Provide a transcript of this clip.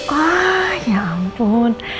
wah ya ampun